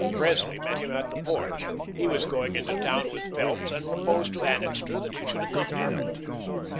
Presley met him at the porch. He was going into town with Phelps, and proposed to Annixter that he should accompany them.